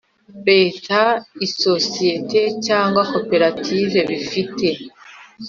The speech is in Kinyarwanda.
Leta isosiyete cyangwa koperative bifite